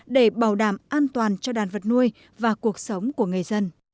để bảo đảm an toàn cho đàn vật nuôi và cuộc sống của người dân